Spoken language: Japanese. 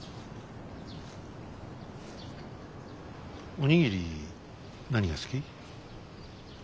お握り何が好き？